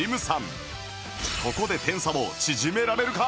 ここで点差を縮められるか！？